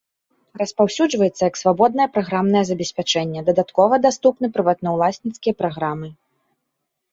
Распаўсюджваецца як свабоднае праграмнае забеспячэнне, дадаткова даступны прыватнаўласніцкія праграмы.